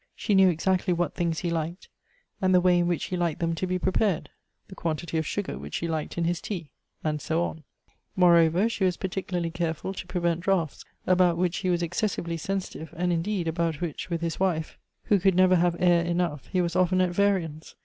She knew exactly what things he liked, and the way in which he liked them to be jirepared ; the quantity of sugar which he liked in his tea ; and so on. Moreover, she was particularly careful to prevent draughts, about which he was excessively sensi tive, and, indeed, about which, with his wife, who could Elective Affinities. 61 never have air enough, he was often at variance.